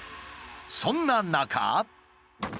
そんな中。